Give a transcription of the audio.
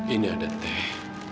ini ada teh